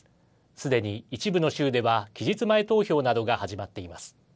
すでに一部の州では期日前投票などが始まっています。